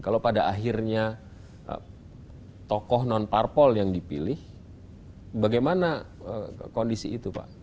kalau pada akhirnya tokoh non parpol yang dipilih bagaimana kondisi itu pak